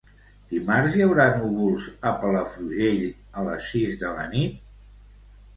Dimarts hi haurà núvols a Palafrugell a les sis de la nit?